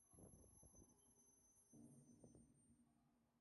Muchos miles de visitantes lo visitan cada día, especialmente en días festivos.